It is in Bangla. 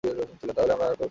তা হলে তো আর বাঁচা যায় না!